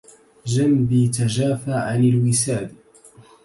جنبي تجافى عن الوساد